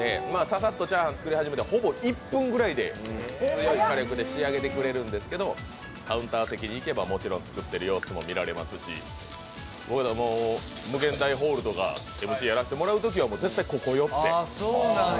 ささっとチャーハン作り始めてほぼ１分ぐらいで、強い火力で仕上げてくれるんですけどカウンター席に行けばもちろん作ってる様子も見られますし∞ホールとかＭＣやらせてもらうときは絶対ここ寄って。